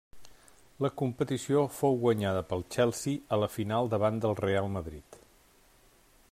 La competició fou guanyada pel Chelsea a la final davant del Reial Madrid.